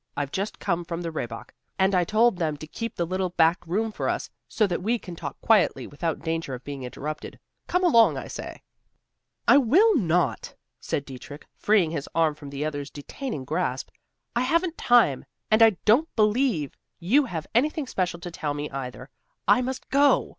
I've just come from the Rehbock, and I told them to keep the little back room for us, so that we can talk quietly, without danger of being interrupted. Come along, I say." "I will not," said Dietrich, freeing his arm from the other's detaining grasp. "I haven't time, and I don't believe you have anything special to tell me, either. I must go."